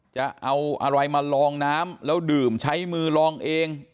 จะเอาอะไรมาลองน้ำแล้วดื่มใช้มือลองเอง